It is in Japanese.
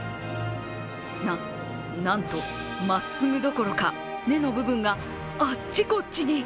な、なんと、まっすぐどころか根の部分があっちこっちに！